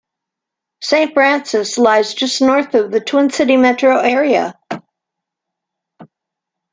Saint Francis lies just North of the Twin Cities Metro area.